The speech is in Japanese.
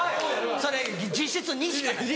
それ実質２しかない。